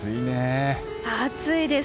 暑いです。